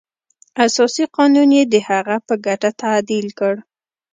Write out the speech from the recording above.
اساسي قانون یې د هغه په ګټه تعدیل کړ.